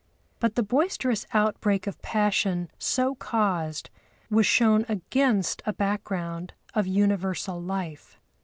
But the boisterous outbreak of passion so caused was shown against a background of universal life.